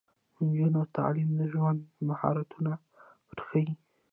د نجونو تعلیم د ژوند مهارتونه ورښيي.